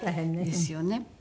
ですよね。